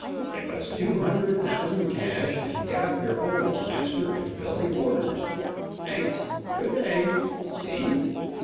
Give us two hundred thousand cash, and get up your old plaster, and fill the orders. Thanks. Good day.' See?